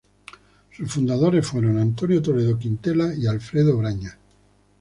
Sus fundadores fueron Antonio Toledo Quintela y Alfredo Brañas.